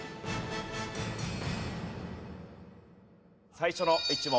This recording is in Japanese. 最初の１問。